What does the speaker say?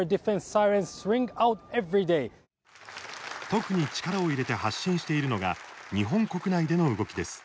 特に力を入れて発信しているのが日本国内での動きです。